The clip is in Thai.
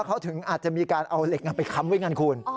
อาจจะมีการเอาเหล็กไปค้ำไว้งานคูณ